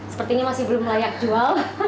sepertinya masih belum layak jual